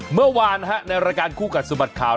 เมื่อวานฮะในรายการคู่กับสมัติข่าว